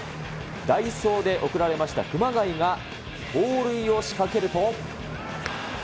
代走で送られました熊谷が、盗塁を仕掛けると。